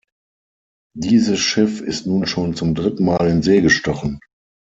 Dieses Schiff ist nun schon zum dritten Mal in See gestochen.